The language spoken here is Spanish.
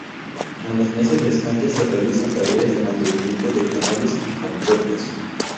En los meses restantes se realizan tareas de mantenimiento de canales y compuertas.